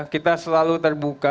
kita selalu terbuka